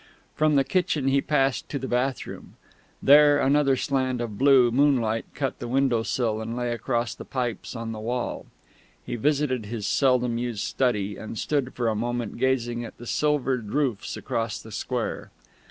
From the kitchen he passed to the bathroom. There, another slant of blue moonlight cut the windowsill and lay across the pipes on the wall. He visited his seldom used study, and stood for a moment gazing at the silvered roofs across the square.